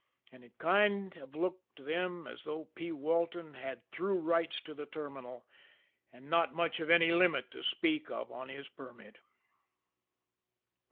And it kind of looked to them as though P. Walton had through rights to the Terminal, and not much of any limit to speak of on his permit.